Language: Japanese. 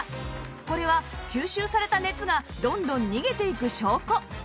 これは吸収された熱がどんどん逃げていく証拠